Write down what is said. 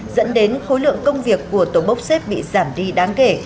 dẫn đến khối lượng công việc của tổ bốc xếp bị giảm đi đáng kể